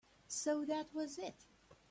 So that was it.